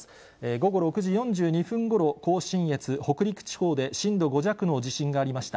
午後６時４２分ごろ、甲信越、北陸地方で震度５弱の地震がありました。